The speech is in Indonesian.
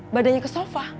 badannya ke sofa